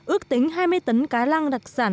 ước tính hai mươi tấn cá lăng đặc sản